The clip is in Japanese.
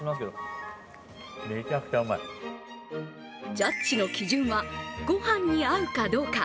ジャッジの基準は、ごはんに合うかどうか。